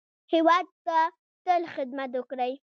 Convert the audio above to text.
هېواد ته تل خدمت وکړئ